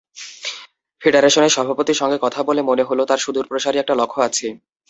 Federation সভাপতির সঙ্গে কথা বলে মনে হলো, তাঁর সুদূরপ্রসারী একটা লক্ষ্য আছে।